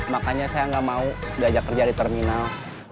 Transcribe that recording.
makanya saya nggak mau diajak kerja di terminal